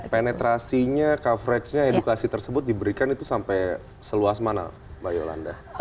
penetrasinya coverage nya edukasi tersebut diberikan itu sampai seluas mana mbak yolanda